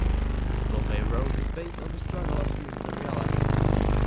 Bombay Rose is based on this struggle of dreams and reality.